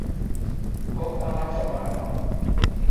Pok awacho mano